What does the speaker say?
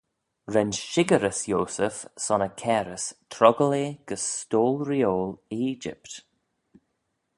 Ren shickerys Yoseph son yn cairys troggal eh gys Stoyll reeoil Egypt.